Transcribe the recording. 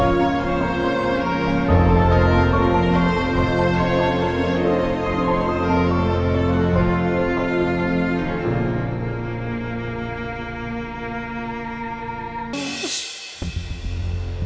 aku yang sudah salah mendidik dia ya allah